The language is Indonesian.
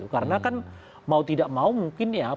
karena kan mau tidak mau mungkin ya